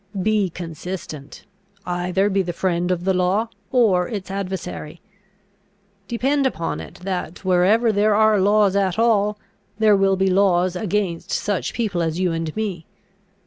Be consistent. Either be the friend of the law, or its adversary. Depend upon it that, wherever there are laws at all, there will be laws against such people as you and me.